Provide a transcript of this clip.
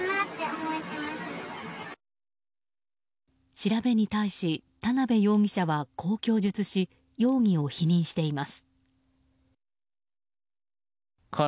調べに対し田辺容疑者はこう供述し容疑を否認しています。